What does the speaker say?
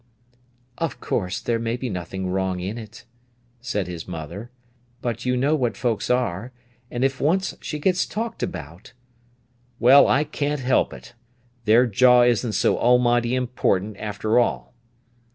"Of course, there may be nothing wrong in it," said his mother. "But you know what folks are, and if once she gets talked about—" "Well, I can't help it. Their jaw isn't so almighty important, after all."